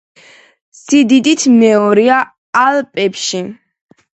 სიდიდით მეორეა ალპებში.